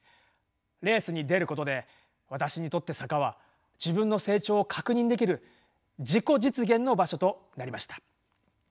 レースに出ることで私にとって坂は自分の成長を確認できる自己実現の場所となりました。